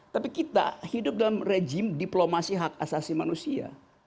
tapi kita hidup dalam rejim diplomasi hak asasi manusia